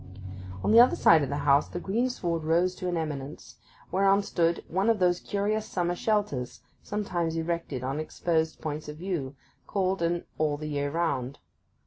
On the other side of the house the greensward rose to an eminence, whereon stood one of those curious summer shelters sometimes erected on exposed points of view, called an all the year round.